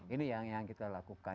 ini yang kita lakukan